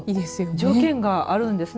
条件があるんですね。